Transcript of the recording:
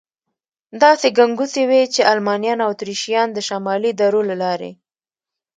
داسې ګنګوسې وې، چې المانیان او اتریشیان د شمالي درو له لارې.